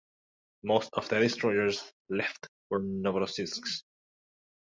Most of the destroyers left for Novorossiysk.